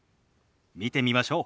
見てみましょう。